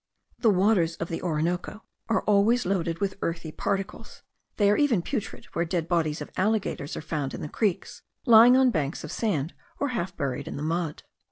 The waters of the Orinoco are always loaded with earthy particles; they are even putrid, where dead bodies of alligators are found in the creeks, lying on banks of sand, or half buried in the mud.